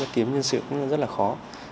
kiếm nhân sự cũng rất là khó